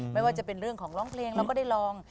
ไม่ว่าจะเป็นเรื่องของร้องเพลงเราก็ได้ลอง